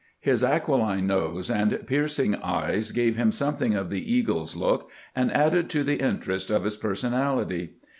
His aquiline nose and piercing eyes gave him something of the eagle's look, and added to the interest of his personality.